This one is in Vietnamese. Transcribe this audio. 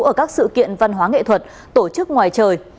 ở các sự kiện văn hóa nghệ thuật tổ chức ngoài trời